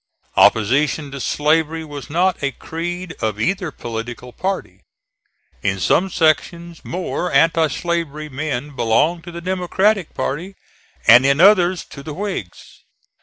Opposition to slavery was not a creed of either political party. In some sections more anti slavery men belonged to the Democratic party, and in others to the Whigs.